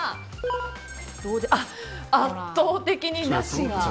圧倒的になしが。